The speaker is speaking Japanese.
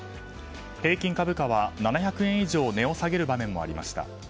平均株価は７００円以上値を下げる場面もありました。